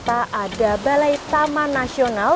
ada balai taman nasional